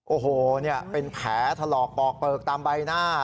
โอ้โหเนี่ยก็เป็นแผลทะเลาะบอกเปลือกตามใบหน้า